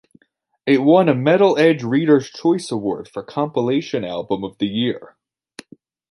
It won a Metal Edge Readers' Choice Award for Compilation Album of the Year.